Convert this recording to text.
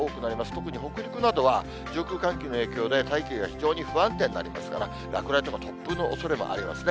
特に北陸などは上空、寒気の影響で大気が非常に不安定になりますから、落雷とか突風のおそれもありますね。